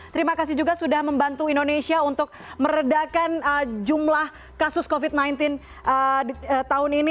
terima kasih juga sudah membantu indonesia untuk meredakan jumlah kasus covid sembilan belas tahun ini